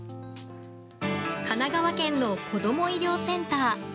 神奈川県のこども医療センター。